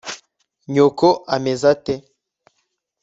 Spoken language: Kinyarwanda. nyoko ameze ate